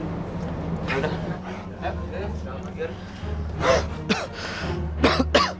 sekarang mungkin gue kalah